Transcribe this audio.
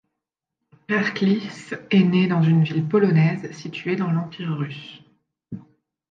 Perklis est né dans une ville polonaise située dans l'Empire russe.